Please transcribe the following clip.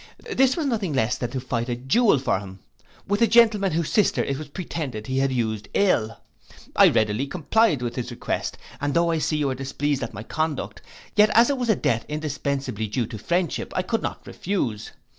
This was nothing less than to fight a duel for him, with a gentleman whose sister it was pretended he had used ill. I readily complied with his request, and tho' I see you are displeased at my conduct, yet as it was a debt indispensably due to friendship, I could not refuse.